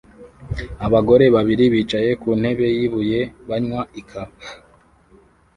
Abagore babiri bicaye ku ntebe y'ibuye banywa ikawa